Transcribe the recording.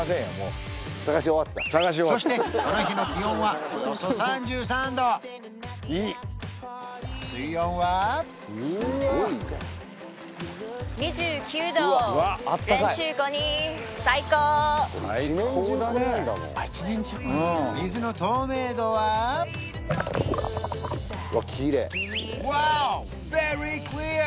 そしてこの日の気温はおよそ３３度水のワーオ！